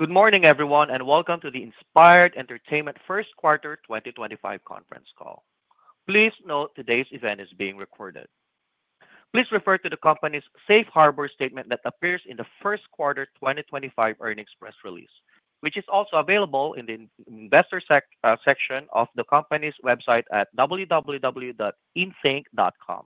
Good morning, everyone, and welcome to the Inspired Entertainment first quarter 2025 conference call. Please note today's event is being recorded. Please refer to the company's Safe Harbor Statement that appears in the first quarter 2025 earnings press release, which is also available in the Investor Section of the company's website at www.inseinc.com.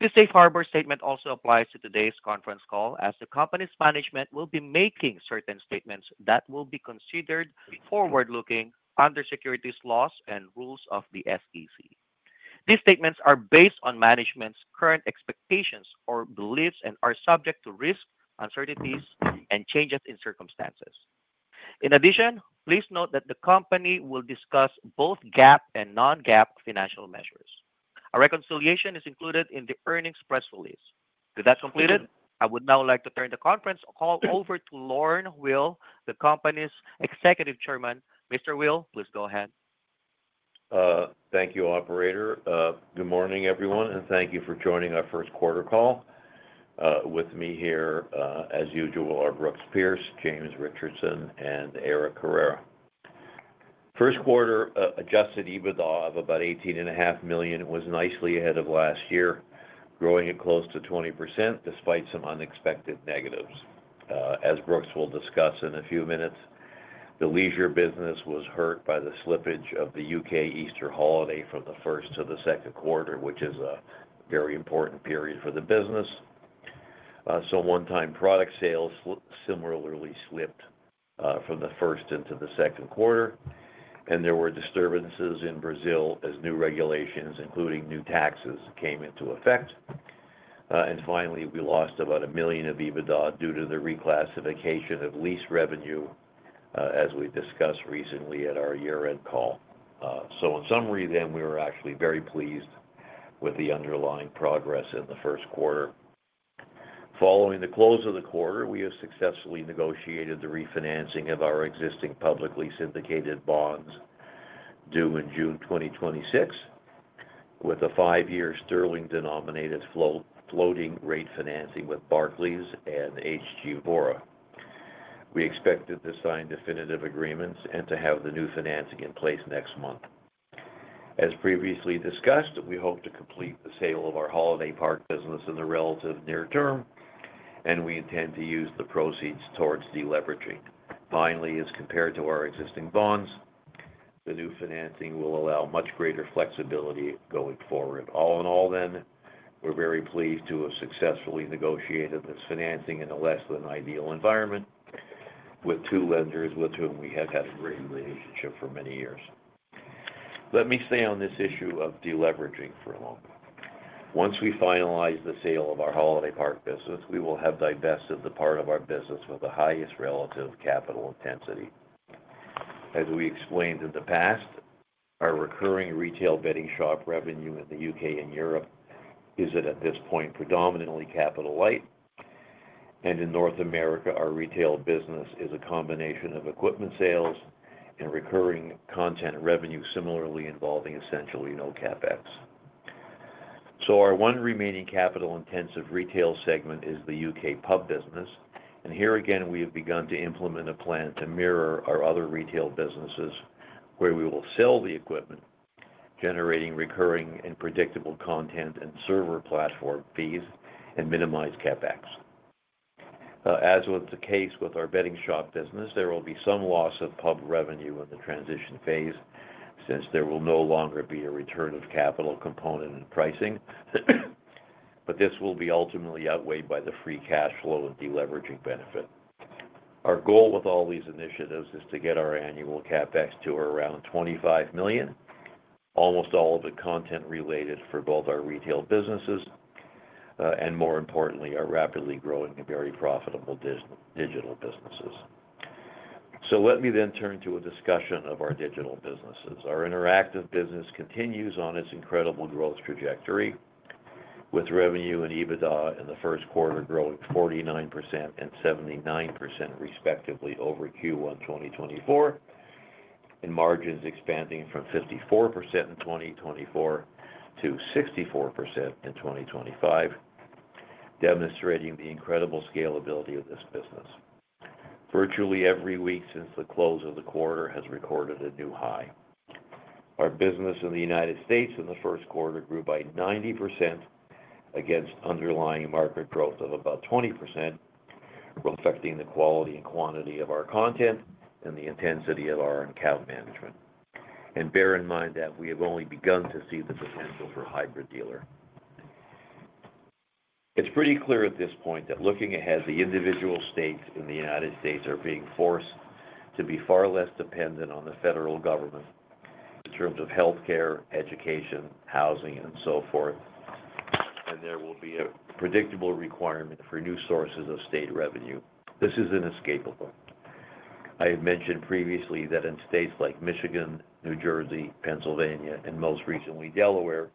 This Safe Harbor Statement also applies to today's conference call, as the company's management will be making certain statements that will be considered forward-looking under securities laws and rules of the SEC. These statements are based on management's current expectations or beliefs and are subject to risk, uncertainties, and changes in circumstances. In addition, please note that the company will discuss both GAAP and non-GAAP financial measures. A reconciliation is included in the earnings press release. With that completed, I would now like to turn the conference call over to Lorne Weil, the company's Executive Chairman. Mr. Weil, please go ahead. Thank you, Operator. Good morning, everyone, and thank you for joining our first quarter call. With me here, as usual, are Brooks Pierce, James Richardson, and Eric Carrera. First quarter adjusted EBITDA of about $18.5 million was nicely ahead of last year, growing at close to 20% despite some unexpected negatives. As Brooks will discuss in a few minutes, the leisure business was hurt by the slippage of the U.K. Easter holiday from the first to the second quarter, which is a very important period for the business. Some one-time product sales similarly slipped from the first into the second quarter, and there were disturbances in Brazil as new regulations, including new taxes, came into effect. Finally, we lost about $1 million of EBITDA due to the reclassification of lease revenue, as we discussed recently at our year-end call. In summary, then, we were actually very pleased with the underlying progress in the first quarter. Following the close of the quarter, we have successfully negotiated the refinancing of our existing publicly syndicated bonds due in June 2026, with a five-year sterling-denominated floating-rate financing with Barclays and HG Vora. We expect to sign definitive agreements and to have the new financing in place next month. As previously discussed, we hope to complete the sale of our holiday park business in the relative near-term, and we intend to use the proceeds towards deleveraging. Finally, as compared to our existing bonds, the new financing will allow much greater flexibility going forward. All in all, then, we're very pleased to have successfully negotiated this financing in a less-than-ideal environment with two lenders with whom we have had a great relationship for many years. Let me stay on this issue of deleveraging for a moment. Once we finalize the sale of our holiday park business, we will have divested the part of our business with the highest relative capital intensity. As we explained in the past, our recurring retail betting shop revenue in the U.K. and Europe is, at this point, predominantly capital-light, and in North America, our retail business is a combination of equipment sales and recurring content revenue similarly involving essentially no CapEx. Our one remaining capital-intensive retail segment is the U.K. pub business, and here again, we have begun to implement a plan to mirror our other retail businesses where we will sell the equipment, generating recurring and predictable content and server platform fees, and minimize CapEx. As with the case with our betting shop business, there will be some loss of pub revenue in the transition phase since there will no longer be a return of capital component in pricing, but this will be ultimately outweighed by the free cash flow and deleveraging benefit. Our goal with all these initiatives is to get our annual CapEx to around $25 million, almost all of it content-related for both our retail businesses and, more importantly, our rapidly growing and very profitable digital businesses. Let me then turn to a discussion of our digital businesses. Our interactive business continues on its incredible growth trajectory, with revenue and EBITDA in the first quarter growing 49% and 79% respectively over Q1 2024, and margins expanding from 54% in 2024 to 64% in 2025, demonstrating the incredible scalability of this business. Virtually every week since the close of the quarter has recorded a new high. Our business in the United States in the first quarter grew by 90% against underlying market growth of about 20%, affecting the quality and quantity of our content and the intensity of our account management. Bear in mind that we have only begun to see the potential for hybrid dealer. It is pretty clear at this point that looking ahead, the individual states in the United States are being forced to be far less dependent on the federal government in terms of healthcare, education, housing, and so forth, and there will be a predictable requirement for new sources of state revenue. This is inescapable. I had mentioned previously that in states like Michigan, New Jersey, Pennsylvania, and most recently Delaware,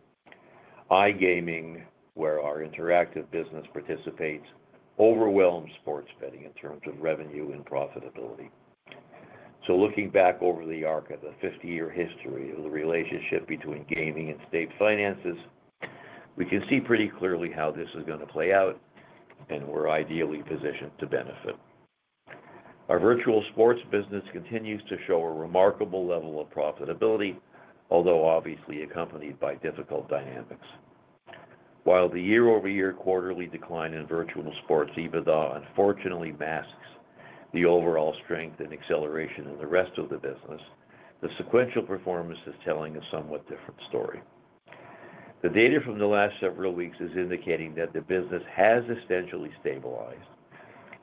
iGaming, where our interactive business participates, overwhelms sports betting in terms of revenue and profitability. Looking back over the arc of the 50-year history of the relationship between gaming and state finances, we can see pretty clearly how this is going to play out, and we're ideally positioned to benefit. Our virtual sports business continues to show a remarkable level of profitability, although obviously accompanied by difficult dynamics. While the year-over-year quarterly decline in virtual sports EBITDA unfortunately masks the overall strength and acceleration in the rest of the business, the sequential performance is telling a somewhat different story. The data from the last several weeks is indicating that the business has essentially stabilized,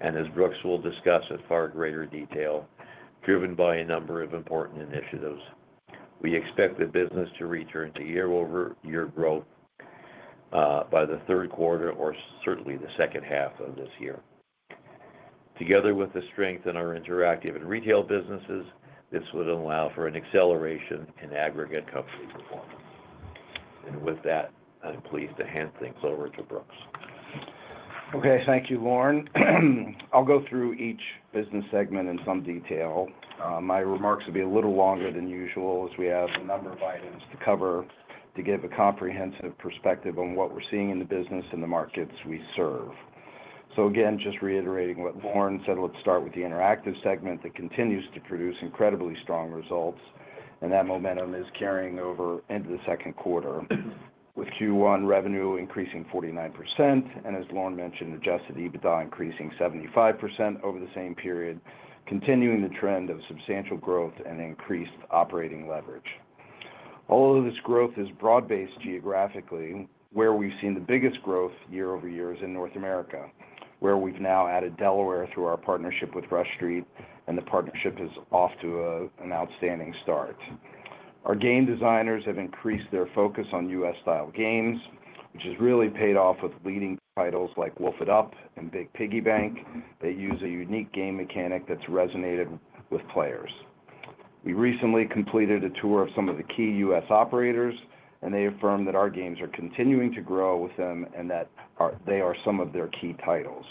and as Brooks will discuss in far greater detail, driven by a number of important initiatives, we expect the business to return to year-over-year growth by the third quarter or certainly the second half of this year. Together with the strength in our interactive and retail businesses, this would allow for an acceleration in aggregate company performance. With that, I'm pleased to hand things over to Brooks. Okay. Thank you, Lorne. I'll go through each business segment in some detail. My remarks will be a little longer than usual as we have a number of items to cover to give a comprehensive perspective on what we're seeing in the business and the markets we serve. Again, just reiterating what Lorne said, let's start with the interactive segment that continues to produce incredibly strong results, and that momentum is carrying over into the second quarter, with Q1 revenue increasing 49%, and as Lorne mentioned, adjusted EBITDA increasing 75% over the same period, continuing the trend of substantial growth and increased operating leverage. Although this growth is broad-based geographically, where we've seen the biggest growth year-over-year is in North America, where we've now added Delaware through our partnership with Rush Street, and the partnership is off to an outstanding start. Our game designers have increased their focus on U.S.-style games, which has really paid off with leading titles like Wolf at Up and Big Piggy Bank that use a unique game mechanic that's resonated with players. We recently completed a tour of some of the key U.S. operators, and they affirm that our games are continuing to grow with them and that they are some of their key titles.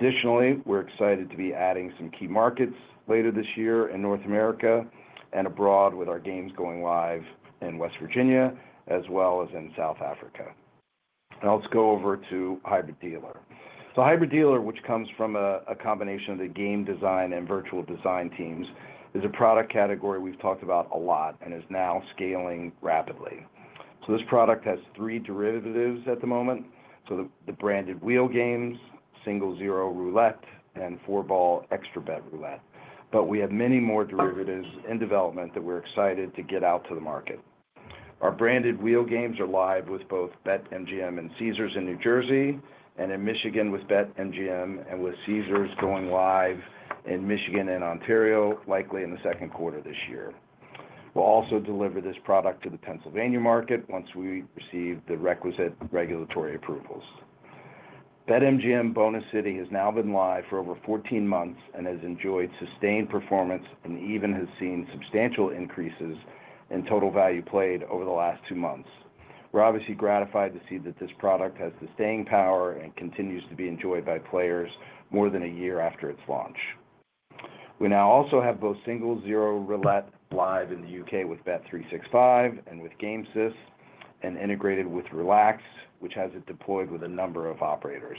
Additionally, we're excited to be adding some key markets later this year in North America and abroad with our games going live in West Virginia as well as in South Africa. Now, let's go over to hybrid dealer. Hybrid dealer, which comes from a combination of the game design and virtual design teams, is a product category we've talked about a lot and is now scaling rapidly. This product has three derivatives at the moment. The branded wheel games, single-zero roulette, and four-ball extra bet roulette. We have many more derivatives in development that we're excited to get out to the market. Our branded wheel games are live with both BetMGM and Caesars in New Jersey, and in Michigan with BetMGM and with Caesars going live in Michigan and Ontario, likely in the second quarter this year. We will also deliver this product to the Pennsylvania market once we receive the requisite regulatory approvals. BetMGM Bonus City has now been live for over 14 months and has enjoyed sustained performance and even has seen substantial increases in total value played over the last two months. We are obviously gratified to see that this product has sustained power and continues to be enjoyed by players more than a year after its launch. We now also have both single-zero roulette live in the U.K. with Bet365 and with GameSys, and integrated with Relax, which has it deployed with a number of operators.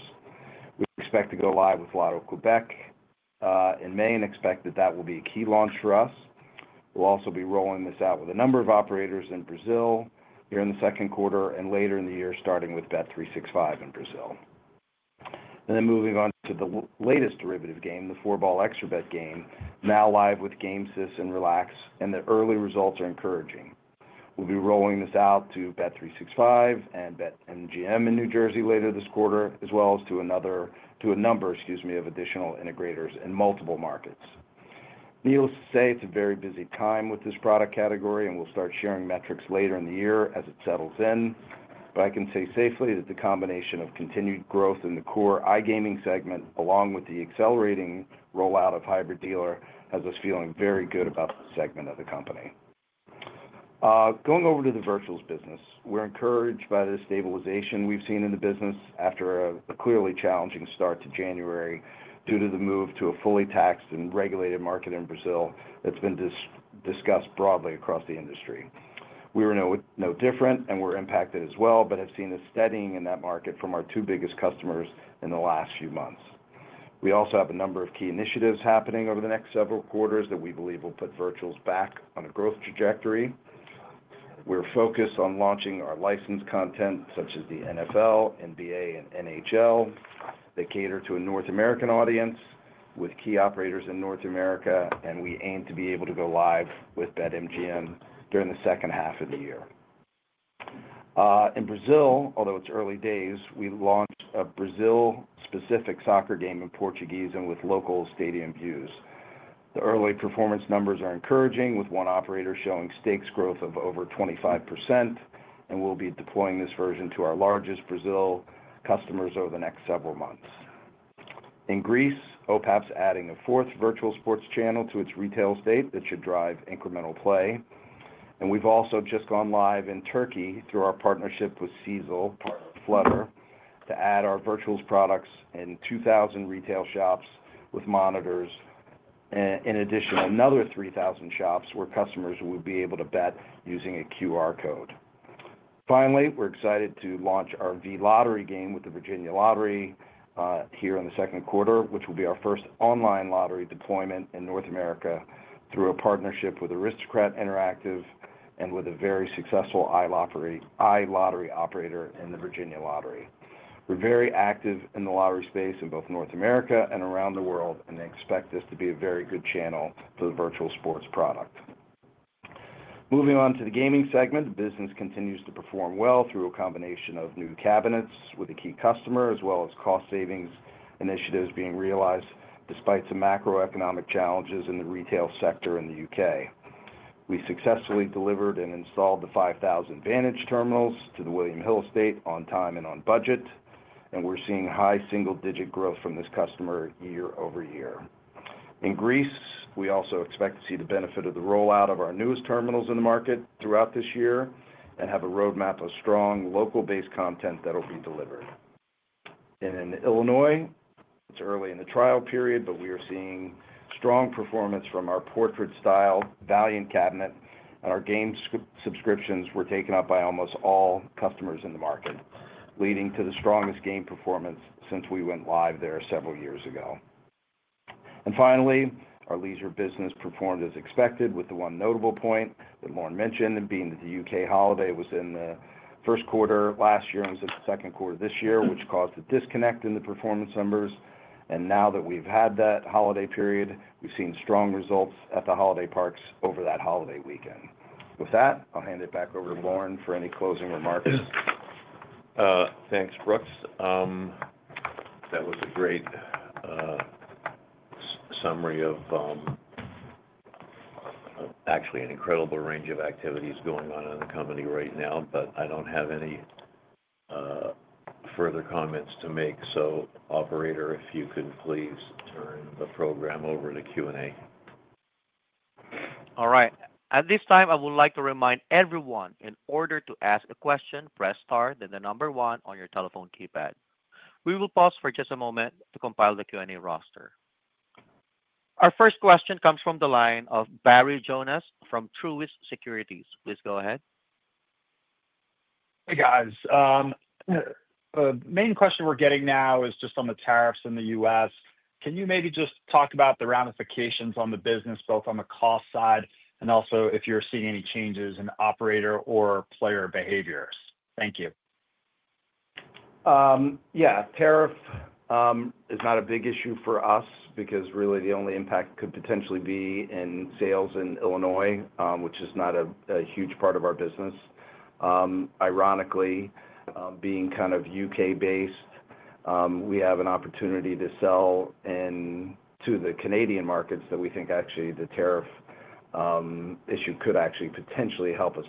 We expect to go live with Lotto Quebec in May and expect that that will be a key launch for us. We'll also be rolling this out with a number of operators in Brazil here in the second quarter and later in the year, starting with Bet365 in Brazil. Moving on to the latest derivative game, the four-ball extra bet game, now live with GameSys and Relax, and the early results are encouraging. We'll be rolling this out to Bet365 and BetMGM in New Jersey later this quarter, as well as to a number, excuse me, of additional integrators in multiple markets. Needless to say, it's a very busy time with this product category, and we'll start sharing metrics later in the year as it settles in. I can say safely that the combination of continued growth in the core iGaming segment, along with the accelerating rollout of hybrid dealer, has us feeling very good about the segment of the company. Going over to the virtuals business, we're encouraged by the stabilization we've seen in the business after a clearly challenging start to January due to the move to a fully taxed and regulated market in Brazil that's been discussed broadly across the industry. We were no different, and we were impacted as well, but have seen a steadying in that market from our two biggest customers in the last few months. We also have a number of key initiatives happening over the next several quarters that we believe will put virtuals back on a growth trajectory. We're focused on launching our licensed content, such as the NFL, NBA, and NHL, that cater to a North American audience with key operators in North America, and we aim to be able to go live with BetMGM during the second half of the year. In Brazil, although it's early days, we launched a Brazil-specific soccer game in Portuguese and with local stadium views. The early performance numbers are encouraging, with one operator showing stakes growth of over 25%, and we'll be deploying this version to our largest Brazil customers over the next several months. In Greece, OPAP's adding a fourth virtual sports channel to its retail state that should drive incremental play. We've also just gone live in Turkey through our partnership with SEASEL, partner Flutter, to add our virtuals products in 2,000 retail shops with monitors, and in addition, another 3,000 shops where customers will be able to bet using a QR code. Finally, we're excited to launch our V Lottery game with the Virginia Lottery here in the second quarter, which will be our first online lottery deployment in North America through a partnership with Aristocrat Interactive and with a very successful iLottery operator in the Virginia Lottery. We're very active in the lottery space in both North America and around the world, and expect this to be a very good channel for the virtual sports product. Moving on to the gaming segment, the business continues to perform well through a combination of new cabinets with a key customer, as well as cost savings initiatives being realized despite some macroeconomic challenges in the retail sector in the U.K. We successfully delivered and installed the 5,000 Vantage terminals to the William Hill estate on time and on budget, and we're seeing high-single-digit growth from this customer year-over-year. In Greece, we also expect to see the benefit of the rollout of our newest terminals in the market throughout this year and have a roadmap of strong local-based content that'll be delivered. In Illinois, it's early in the trial period, but we are seeing strong performance from our portrait-style Valiant cabinet, and our game subscriptions were taken up by almost all customers in the market, leading to the strongest game performance since we went live there several years ago. Our leisure business performed as expected with the one notable point that Lorne mentioned, being that the U.K. holiday was in the first quarter last year and was in the second quarter this year, which caused a disconnect in the performance numbers. Now that we've had that holiday period, we've seen strong results at the holiday parks over that holiday weekend. With that, I'll hand it back over to Lorne for any closing remarks. Thanks, Brooks. That was a great summary of actually an incredible range of activities going on in the company right now, but I don't have any further comments to make. Operator, if you could please turn the program over to Q&A. All right. At this time, I would like to remind everyone in order to ask a question, press star then the number one on your telephone keypad. We will pause for just a moment to compile the Q&A roster. Our first question comes from the line of Barry Jonas from Truist Securities. Please go ahead. Hey, guys. The main question we're getting now is just on the tariffs in the U.S. Can you maybe just talk about the ramifications on the business both on the cost side and also if you're seeing any changes in operator or player behaviors? Thank you. Yeah. Tariff is not a big issue for us because really the only impact could potentially be in sales in Illinois, which is not a huge part of our business. Ironically, being kind of U.K.-based, we have an opportunity to sell to the Canadian markets that we think actually the tariff issue could actually potentially help us.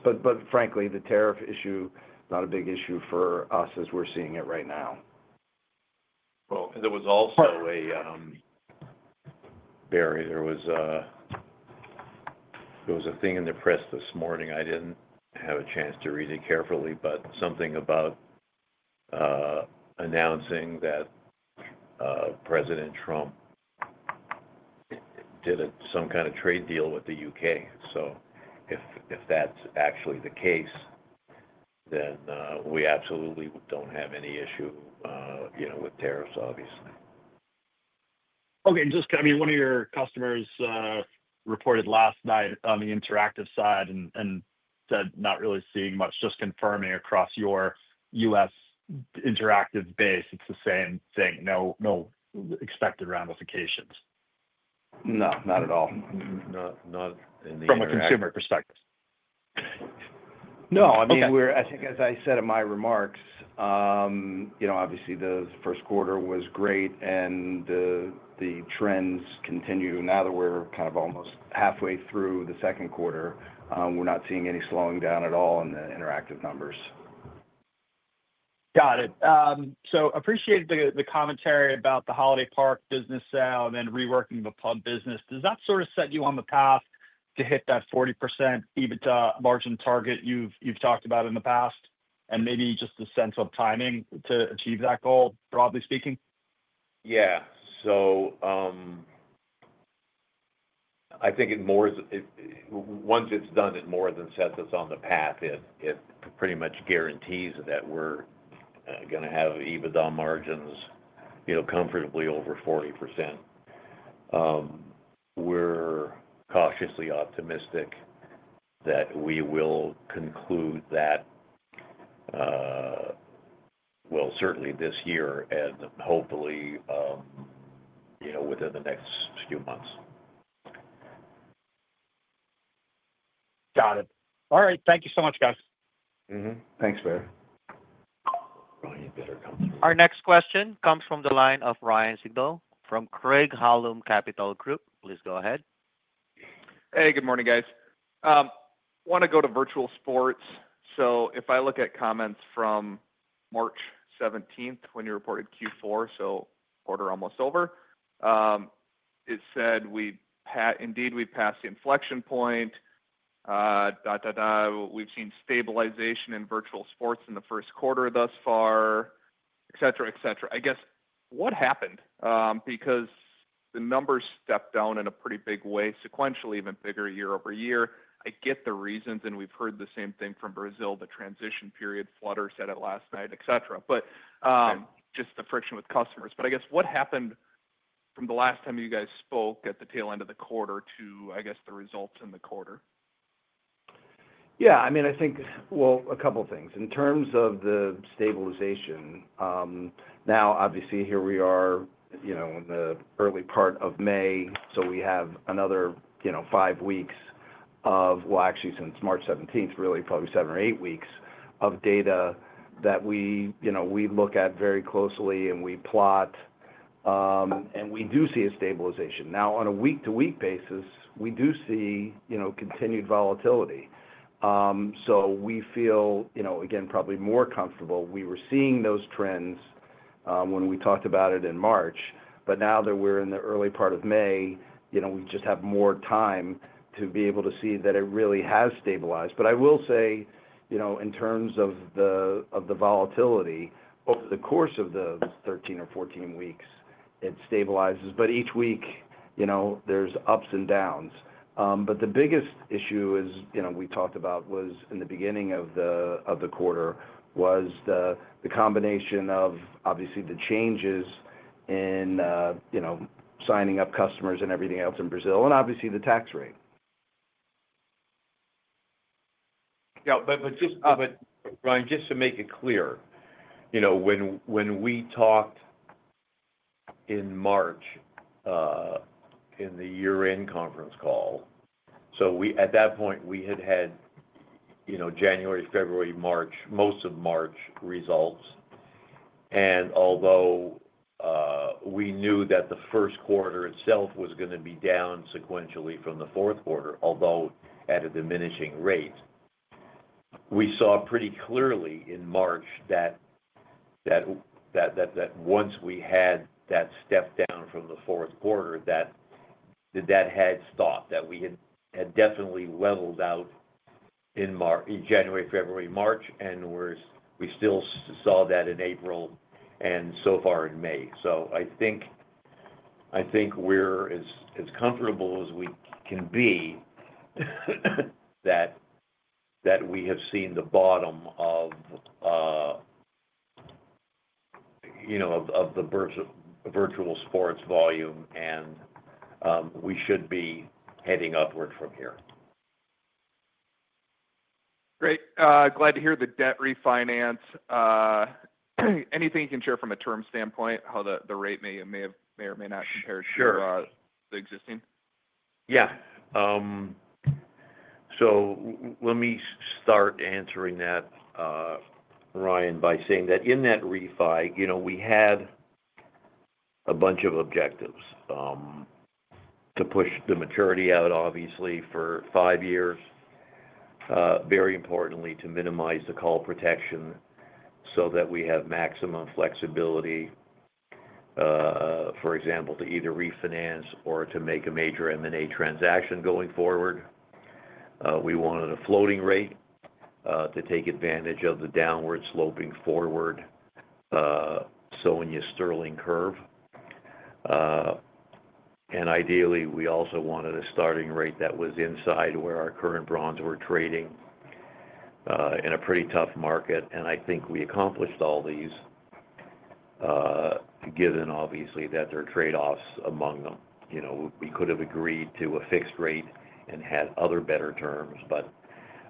Frankly, the tariff issue is not a big issue for us as we're seeing it right now. There was also a Barry, there was a thing in the press this morning. I did not have a chance to read it carefully, but something about announcing that President Trump did some kind of trade deal with the U.K. If that is actually the case, then we absolutely do not have any issue with tariffs, obviously. Okay. And just, I mean, one of your customers reported last night on the interactive side and said not really seeing much. Just confirming across your U.S. interactive base, it's the same thing. No expected ramifications. No, not at all. [Not in the U.S.] From a consumer perspective. No. I mean, I think as I said in my remarks, obviously the first quarter was great and the trends continue. Now that we're kind of almost halfway through the second quarter, we're not seeing any slowing down at all in the interactive numbers. Got it. Appreciate the commentary about the holiday park business now and then reworking the pub business. Does that sort of set you on the path to hit that 40% EBITDA margin target you've talked about in the past and maybe just a sense of timing to achieve that goal, broadly speaking? Yeah. I think once it's done, it more than sets us on the path. It pretty much guarantees that we're going to have EBITDA margins comfortably over 40%. We're cautiously optimistic that we will conclude that, certainly this year and hopefully within the next few months. Got it. All right. Thank you so much, guys. Thanks, Barry. Our next question comes from the line of Ryan Sigdahl from Craig-Hallum Capital Group. Please go ahead. Hey, good morning, guys. I want to go to virtual sports. If I look at comments from March 17 when you reported Q4, so quarter almost over, it said, "Indeed, we've passed the inflection point. We've seen stabilization in virtual sports in the first quarter thus far," etc., etc. I guess what happened? Because the numbers stepped down in a pretty big way, sequentially even bigger year-over-year. I get the reasons, and we've heard the same thing from Brazil, the transition period, Flutter said it last night, etc. Just the friction with customers. I guess what happened from the last time you guys spoke at the tail end of the quarter to, I guess, the results in the quarter? Yeah. I mean, I think, a couple of things. In terms of the stabilization, now obviously here we are in the early part of May, so we have another five weeks of, actually since March 17, really probably seven or eight weeks of data that we look at very closely and we plot, and we do see a stabilization. Now, on a week-to-week basis, we do see continued volatility. We feel, again, probably more comfortable. We were seeing those trends when we talked about it in March, but now that we're in the early part of May, we just have more time to be able to see that it really has stabilized. I will say in terms of the volatility, over the course of the 13 or 14 weeks, it stabilizes. Each week, there's ups and downs. The biggest issue we talked about was in the beginning of the quarter was the combination of, obviously, the changes in signing up customers and everything else in Brazil and obviously the tax rate. Yeah. Ryan, just to make it clear, when we talked in March in the year-end conference call, at that point, we had had January, February, March, most of March results. Although we knew that the first quarter itself was going to be down sequentially from the fourth quarter, although at a diminishing rate, we saw pretty clearly in March that once we had that step down from the fourth quarter, that that had stopped, that we had definitely leveled out in January, February, March, and we still saw that in April and so far in May. I think we are as comfortable as we can be that we have seen the bottom of the virtual sports volume, and we should be heading upward from here. Great. Glad to hear the debt refinance. Anything you can share from a term standpoint, how the rate may or may not compare to the existing? Yeah. Let me start answering that, Ryan, by saying that in that refi, we had a bunch of objectives to push the maturity out, obviously, for five years, very importantly to minimize the call protection so that we have maximum flexibility, for example, to either refinance or to make a major M&A transaction going forward. We wanted a floating rate to take advantage of the downward sloping forward, in your sterling curve. Ideally, we also wanted a starting rate that was inside where our current bonds were trading in a pretty tough market. I think we accomplished all these given, obviously, that there are trade-offs among them. We could have agreed to a fixed rate and had other better terms, but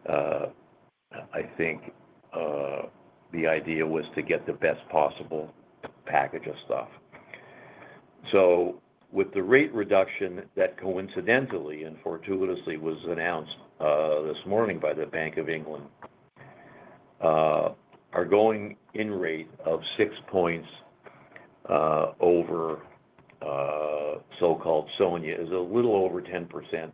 I think the idea was to get the best possible package of stuff. With the rate reduction that coincidentally and fortuitously was announced this morning by the Bank of England, our going in rate of 6 points over so-called Sonia is a little over 10%.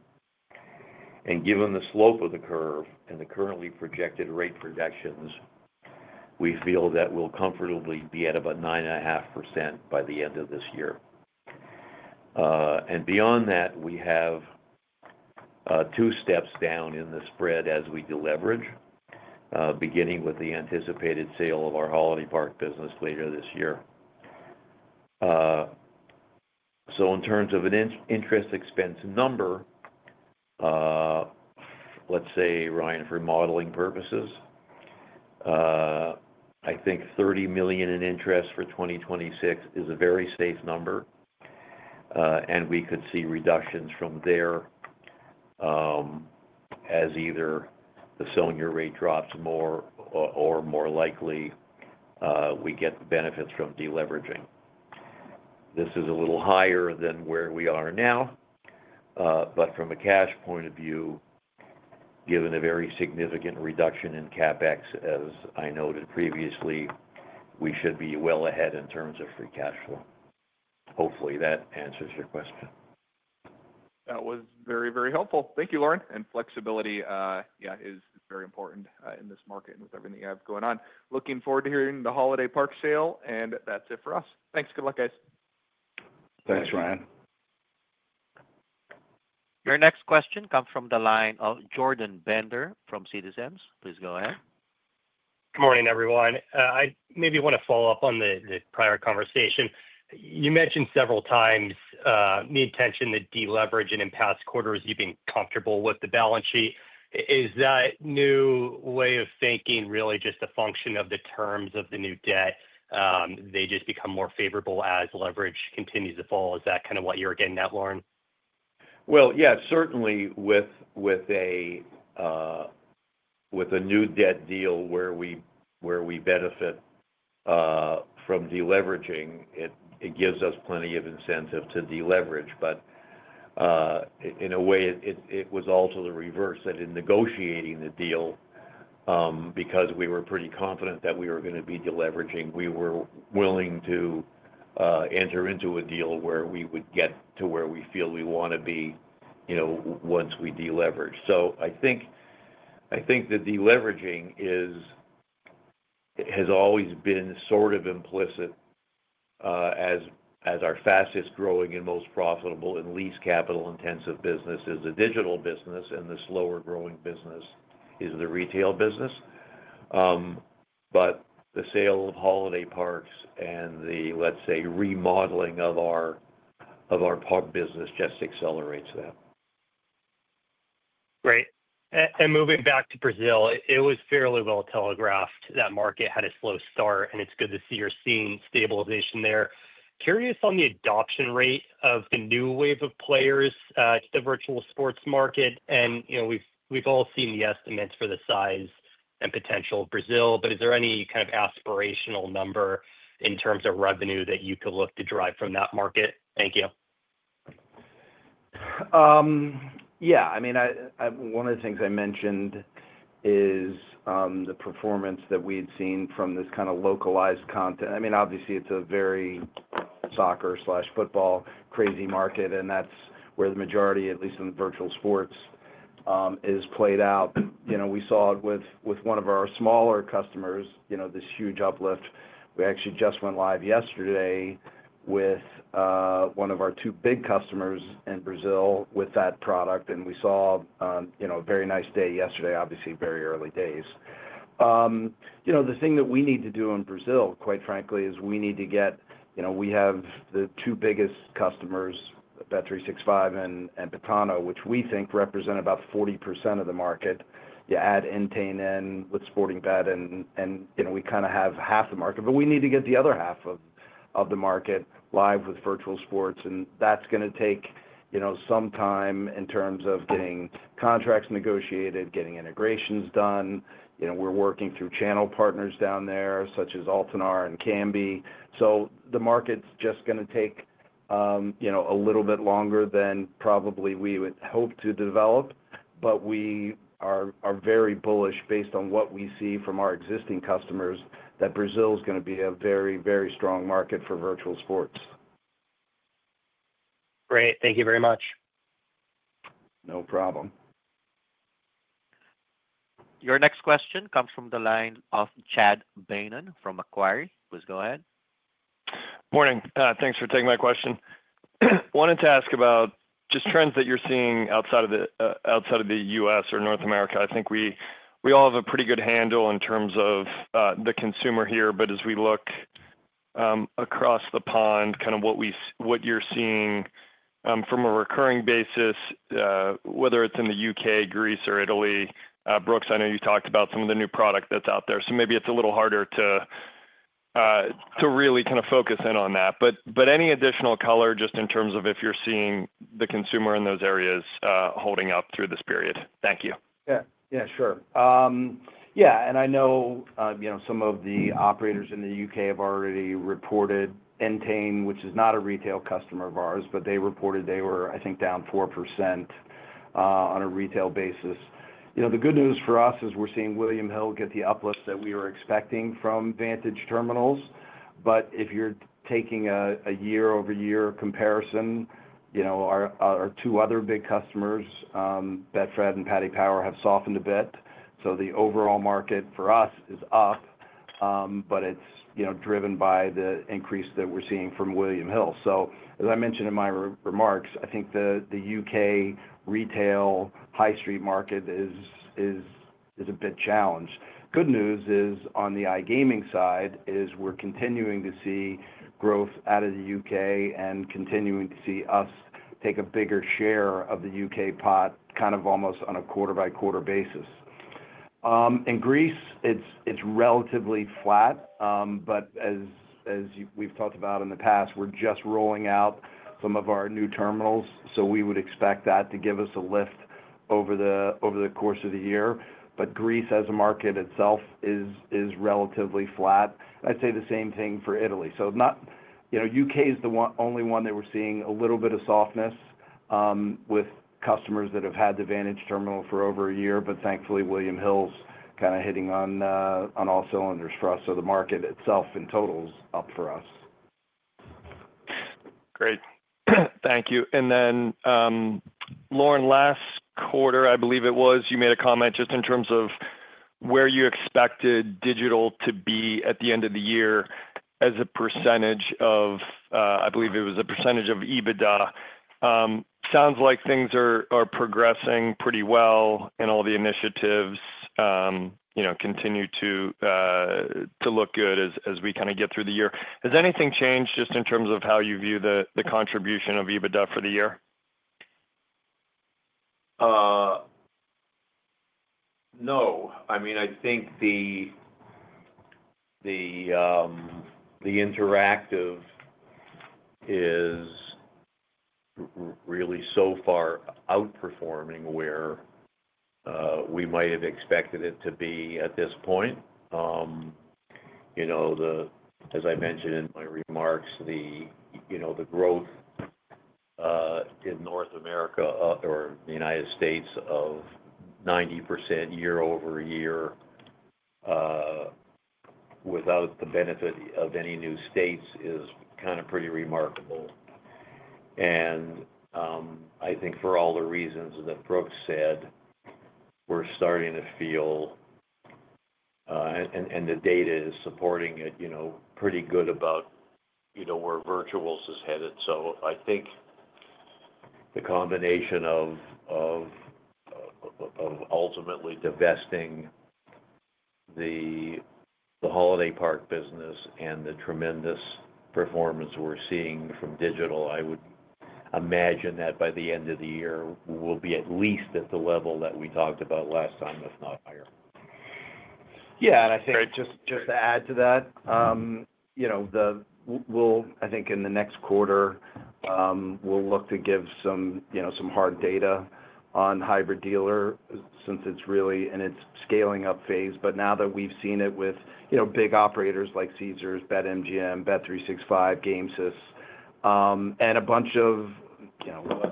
Given the slope of the curve and the currently projected rate projections, we feel that we'll comfortably be at about 9.5% by the end of this year. Beyond that, we have two steps down in the spread as we deleverage, beginning with the anticipated sale of our holiday park business later this year. In terms of an interest expense number, let's say, Ryan, for modeling purposes, I think $30 million in interest for 2026 is a very safe number. We could see reductions from there as either the Sonia rate drops more or more likely we get the benefits from deleveraging. This is a little higher than where we are now, but from a cash point of view, given a very significant reduction in CapEx, as I noted previously, we should be well ahead in terms of free cash flow. Hopefully, that answers your question. That was very, very helpful. Thank you, Lorne. Flexibility, yeah, is very important in this market and with everything you have going on. Looking forward to hearing the holiday park sale. That's it for us. Thanks. Good luck, guys. Thanks, Ryan. Your next question comes from the line of Jordan Bender from Citizens. Please go ahead. Good morning, everyone. I maybe want to follow up on the prior conversation. You mentioned several times the intention to deleverage in past quarters. You've been comfortable with the balance sheet. Is that new way of thinking really just a function of the terms of the new debt? They just become more favorable as leverage continues to fall. Is that kind of what you're getting at, Lorne? Yeah, certainly with a new debt deal where we benefit from deleveraging, it gives us plenty of incentive to deleverage. In a way, it was all to the reverse that in negotiating the deal, because we were pretty confident that we were going to be deleveraging, we were willing to enter into a deal where we would get to where we feel we want to be once we deleverage. I think the deleveraging has always been sort of implicit as our fastest growing and most profitable and least capital-intensive business is the digital business, and the slower growing business is the retail business. The sale of holiday parks and the, let's say, remodeling of our pub business just accelerates that. Great. Moving back to Brazil, it was fairly well telegraphed that market had a slow start, and it's good to see you're seeing stabilization there. Curious on the adoption rate of the new wave of players to the virtual sports market. We've all seen the estimates for the size and potential of Brazil, but is there any kind of aspirational number in terms of revenue that you could look to drive from that market? Thank you. Yeah. I mean, one of the things I mentioned is the performance that we had seen from this kind of localized content. I mean, obviously, it's a very soccer/football crazy market, and that's where the majority, at least in virtual sports, is played out. We saw it with one of our smaller customers, this huge uplift. We actually just went live yesterday with one of our two big customers in Brazil with that product, and we saw a very nice day yesterday, obviously, very early days. The thing that we need to do in Brazil, quite frankly, is we need to get we have the two biggest customers, Bet365 and Betano, which we think represent about 40% of the market. You add Entain in with Sporting Bet, and we kind of have half the market, but we need to get the other half of the market live with virtual sports. That's going to take some time in terms of getting contracts negotiated, getting integrations done. We're working through channel partners down there, such as Altenor and Camby. The market's just going to take a little bit longer than probably we would hope to develop, but we are very bullish based on what we see from our existing customers that Brazil is going to be a very, very strong market for virtual sports. Great. Thank you very much. No problem. Your next question comes from the line of Chad Beynon from Macquarie. Please go ahead. Morning. Thanks for taking my question. Wanted to ask about just trends that you're seeing outside of the U.S. or North America. I think we all have a pretty good handle in terms of the consumer here, but as we look across the pond, kind of what you're seeing from a recurring basis, whether it's in the U.K., Greece, or Italy, Brooks, I know you talked about some of the new product that's out there. Maybe it's a little harder to really kind of focus in on that. Any additional color just in terms of if you're seeing the consumer in those areas holding up through this period? Thank you. Yeah. Yeah, sure. Yeah. And I know some of the operators in the U.K. have already reported Entain, which is not a retail customer of ours, but they reported they were, I think, down 4% on a retail basis. The good news for us is we're seeing William Hill get the uplift that we were expecting from Vantage terminals. If you're taking a year-over-year comparison, our two other big customers, BetFred and Paddy Power, have softened a bit. The overall market for us is up, but it's driven by the increase that we're seeing from William Hill. As I mentioned in my remarks, I think the U.K. retail high street market is a bit challenged. Good news is on the iGaming side is we're continuing to see growth out of the U.K. and continuing to see us take a bigger share of the U.K. pot kind of almost on a quarter-by-quarter basis. In Greece, it's relatively flat, but as we've talked about in the past, we're just rolling out some of our new terminals, so we would expect that to give us a lift over the course of the year. Greece, as a market itself, is relatively flat. I'd say the same thing for Italy. U.K. is the only one that we're seeing a little bit of softness with customers that have had the Vantage terminals for over a year, but thankfully, William Hill's kind of hitting on all cylinders for us. The market itself in total is up for us. Great. Thank you. Lorne, last quarter, I believe it was, you made a comment just in terms of where you expected digital to be at the end of the year as a percentage of, I believe it was a percentage of EBITDA. Sounds like things are progressing pretty well and all the initiatives continue to look good as we kind of get through the year. Has anything changed just in terms of how you view the contribution of EBITDA for the year? No. I mean, I think the interactive is really so far outperforming where we might have expected it to be at this point. As I mentioned in my remarks, the growth in North America or the United States of 90% year-over-year without the benefit of any new states is kind of pretty remarkable. I think for all the reasons that Brooks said, we're starting to feel, and the data is supporting it, pretty good about where virtuals is headed. I think the combination of ultimately divesting the holiday park business and the tremendous performance we're seeing from digital, I would imagine that by the end of the year, we'll be at least at the level that we talked about last time, if not higher. Yeah. I think just to add to that, I think in the next quarter, we'll look to give some hard data on hybrid dealer since it's really in its scaling-up phase. Now that we've seen it with big operators like Caesars, BetMGM, Bet365, GameSys, and a bunch of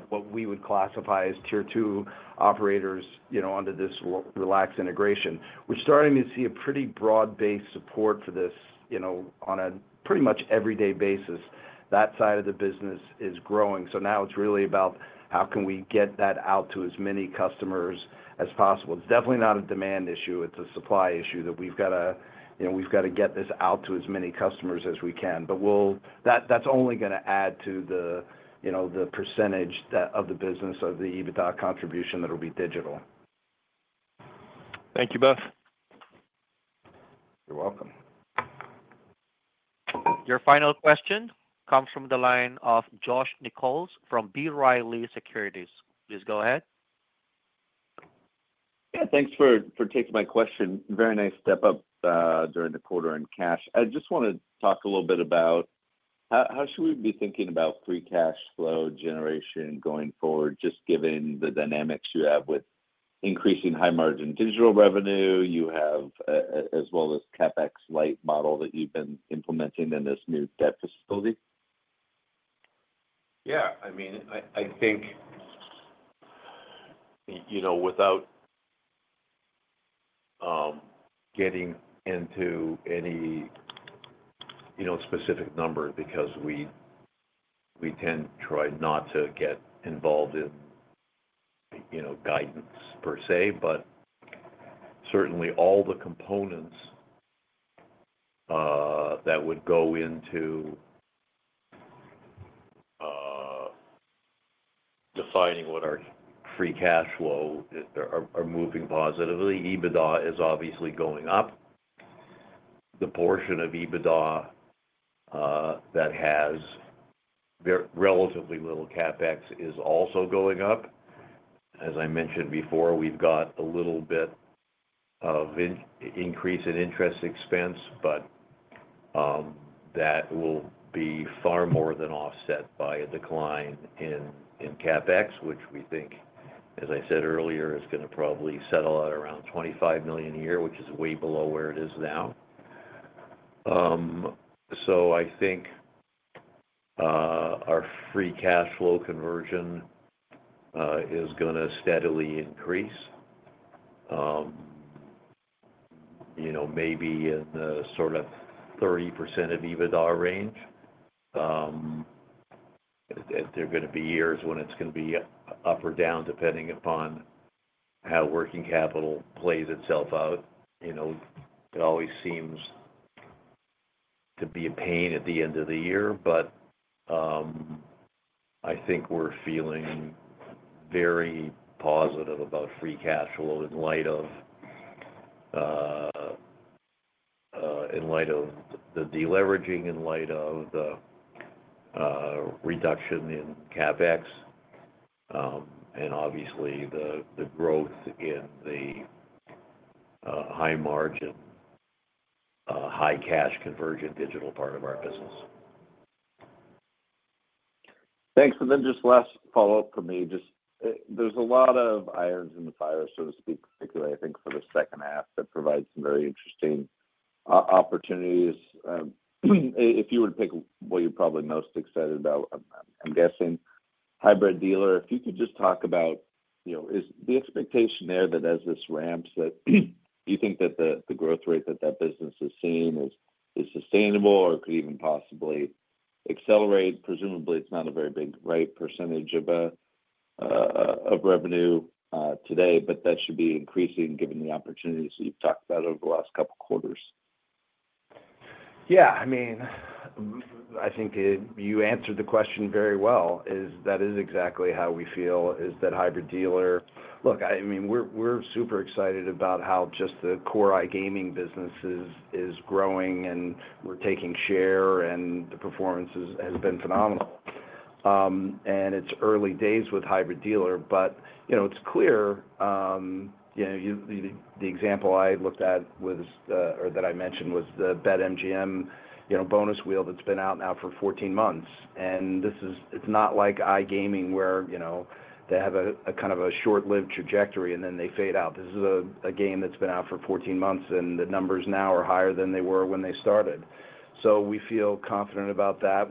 what we would classify as tier two operators under this Relax integration, we're starting to see a pretty broad-based support for this on a pretty much everyday basis. That side of the business is growing. Now it's really about how can we get that out to as many customers as possible. It's definitely not a demand issue. It's a supply issue that we've got to get this out to as many customers as we can. That's only going to add to the percentage of the business of the EBITDA contribution that will be digital. Thank you both. You're welcome. Your final question comes from the line of Josh Nichols from B. Riley Securities. Please go ahead. Yeah. Thanks for taking my question. Very nice step-up during the quarter in cash. I just want to talk a little bit about how should we be thinking about free cash flow generation going forward, just given the dynamics you have with increasing high-margin digital revenue, as well as CapEx light model that you've been implementing in this new debt facility? Yeah. I mean, I think without getting into any specific number, because we tend to try not to get involved in guidance per se, but certainly all the components that would go into defining what our free cash flow are moving positively. EBITDA is obviously going up. The portion of EBITDA that has relatively little CapEx is also going up. As I mentioned before, we've got a little bit of increase in interest expense, but that will be far more than offset by a decline in CapEx, which we think, as I said earlier, is going to probably settle at around $25 million a year, which is way below where it is now. I think our free cash flow conversion is going to steadily increase, maybe in the sort of 30% of EBITDA range. There are going to be years when it's going to be up or down, depending upon how working capital plays itself out. It always seems to be a pain at the end of the year, but I think we're feeling very positive about free cash flow in light of the deleveraging, in light of the reduction in CapEx, and obviously the growth in the high-margin, high-cash convergent digital part of our business. Thanks. And then just last follow-up for me. There is a lot of irons in the fire, so to speak, particularly, I think, for the second half that provides some very interesting opportunities. If you were to pick what you are probably most excited about, I am guessing, hybrid dealer, if you could just talk about, is the expectation there that as this ramps, do you think that the growth rate that that business is seeing is sustainable or could even possibly accelerate? Presumably, it is not a very big % of revenue today, but that should be increasing given the opportunities that you have talked about over the last couple of quarters. Yeah. I mean, I think you answered the question very well. That is exactly how we feel, is that hybrid dealer, look, I mean, we're super excited about how just the core iGaming business is growing and we're taking share and the performance has been phenomenal. It's early days with hybrid dealer, but it's clear. The example I looked at or that I mentioned was the BetMGM Bonus wheel that's been out now for 14 months. It's not like iGaming where they have a kind of a short-lived trajectory and then they fade out. This is a game that's been out for 14 months and the numbers now are higher than they were when they started. We feel confident about that.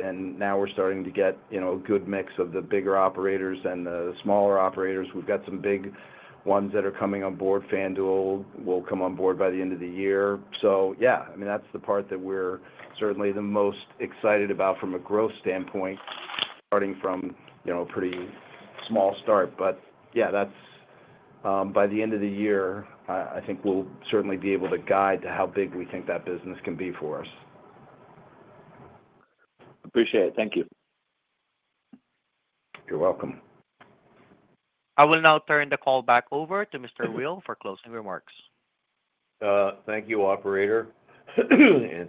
Now we're starting to get a good mix of the bigger operators and the smaller operators. We've got some big ones that are coming on board. FanDuel will come on board by the end of the year. Yeah, I mean, that's the part that we're certainly the most excited about from a growth standpoint, starting from a pretty small start. Yeah, by the end of the year, I think we'll certainly be able to guide to how big we think that business can be for us. Appreciate it. Thank you. You're welcome. I will now turn the call back over to Mr. Weil for closing remarks. Thank you, Operator.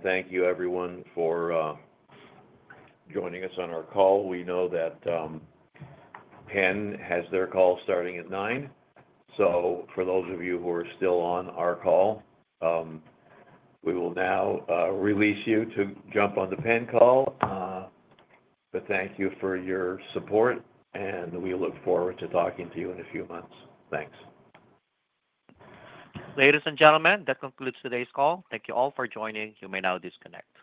Thank you, everyone, for joining us on our call. We know that Penn has their call starting at 9:00 A.M. For those of you who are still on our call, we will now release you to jump on the Penn call. Thank you for your support, and we look forward to talking to you in a few months. Thanks. Ladies and gentlemen, that concludes today's call. Thank you all for joining. You may now disconnect.